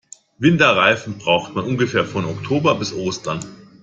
Winterreifen braucht man ungefähr von Oktober bis Ostern.